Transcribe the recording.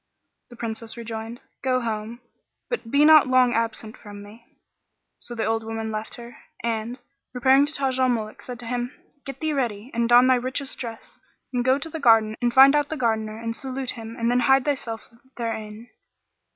The Princess rejoined, "Go home, but be not long absent from me." So the old woman left her and, repairing to Taj al Muluk, said to him, "Get thee ready and don thy richest dress and go to the garden and find out the Gardener and salute him and then hide thyself therein."